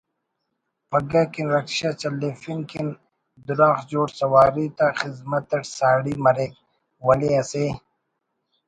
پگہ کن رکشہ چلیفنگ کن دراخ جوڑ سواری تا خذمت اٹ ساڑی مریک…… ولے اسہ